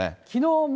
きのう